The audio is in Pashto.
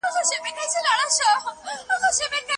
هغې د یوې غونډې جوړولو پر مهال سر درد احساس کړ.